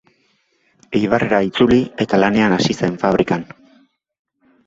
Eibarrera itzuli eta lanean hasi zen fabrikan.